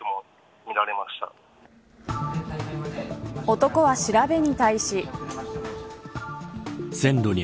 男は調べに対し。